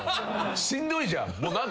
しんどいじゃん。